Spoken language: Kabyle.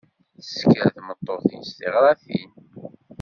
Tesker tmeṭṭut-is tiɣratin.